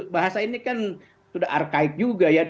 bahasa ini kan sudah arkai juga ya